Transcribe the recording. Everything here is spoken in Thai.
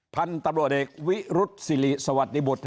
ท่านตำรวจเอกวิรุษฎิบุตรสวัสดีครับท่านตำรวจเอกวิรุฑครับ